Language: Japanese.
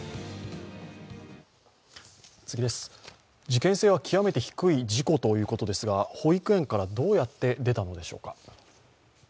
事件性は極めて低い事故ということですが保育園からどうやって出たのでしょうか。